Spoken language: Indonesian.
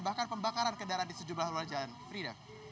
bahkan pembakaran kendaraan di sejumlah luar jalan frida